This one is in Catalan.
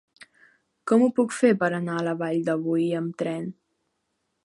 Com ho puc fer per anar a la Vall de Boí amb tren?